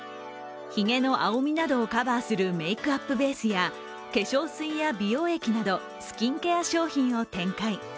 ひげの青みなどをカバーするメイクアップベースや化粧水や美容液などスキンケア商品を展開。